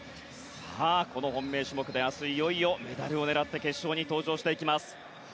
さあ、この本命種目でいよいよ明日メダルを狙って決勝に登場していきます。